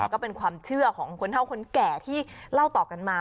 ก็เป็นความเชื่อของคนเท่าคนแก่ที่เล่าต่อกันมา